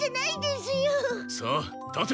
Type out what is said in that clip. さあ立て！